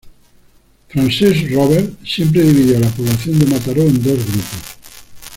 Francesc Robert siempre dividió a la población de Mataró en dos grupos.